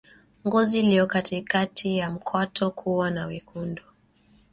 Ngozi iliyo katikati ya kwato kuwa na wekundu